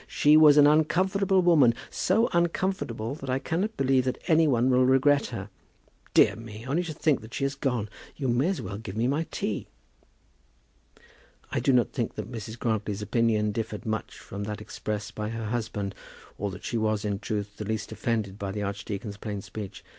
She was an uncomfortable woman, so uncomfortable that I cannot believe that any one will regret her. Dear me! Only to think that she has gone! You may as well give me my tea." I do not think that Mrs. Grantly's opinion differed much from that expressed by her husband, or that she was, in truth, the least offended by the archdeacon's plain speech.